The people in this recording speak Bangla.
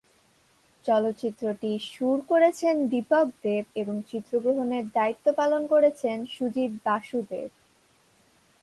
চলচ্চিত্রটির সুর করেছেন দীপক দেব এবং চিত্রগ্রহণের দায়িত্ব পালন করেছেন সুজিত বাসুদেব।